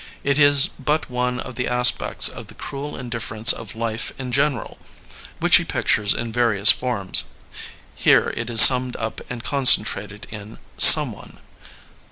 It is but one of the aspects of the cruel indifference of life in general, which he pictures in various forms. Here it is summed up and concentrated in Someone.